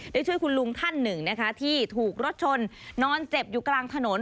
ได้ช่วยคุณลุงท่านหนึ่งนะคะที่ถูกรถชนนอนเจ็บอยู่กลางถนน